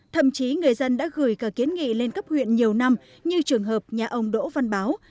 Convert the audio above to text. thậm chí người dân đã gửi cả kiến nghị lên cấp huyện nhiều năm như trường hợp nhà ông đỗ văn báo